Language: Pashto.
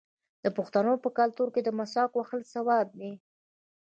د پښتنو په کلتور کې د مسواک وهل ثواب دی.